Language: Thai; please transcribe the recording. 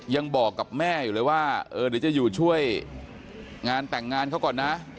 ยังบอกกับแม่อยู่เลยว่าเออเดี๋ยวจะอยู่ช่วยงานแต่งงานเขาก่อนนะ